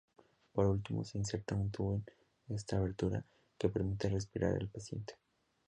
Por último se inserta un tubo en esta abertura, que permite respirar al paciente.